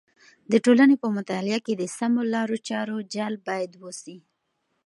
د ټولنې په مطالعه کې د سمو لارو چارو جلب باید وسي.